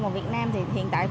mà việt nam thì hiện tại